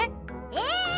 え